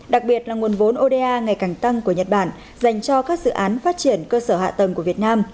đặc biệt là nguồn vốn oda ngày càng tăng của nhật bản dành cho các dự án phát triển cơ sở hạ tầng của việt nam